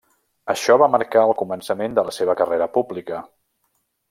Això va marcar el començament de la seva carrera pública.